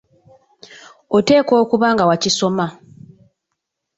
Oteekwa okuba nga wakisoma.